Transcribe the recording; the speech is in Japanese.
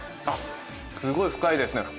あっ、すごい深いですね。